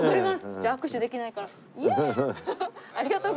じゃあ握手できないからイエーイ！